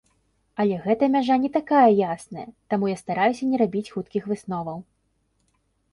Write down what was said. Але гэта мяжа не такая ясная, таму я стараюся не рабіць хуткіх высноваў.